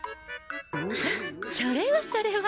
あそれはそれは。